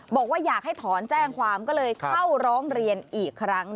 บอกว่าอยากให้ถอนแจ้งความก็เลยเข้าร้องเรียนอีกครั้ง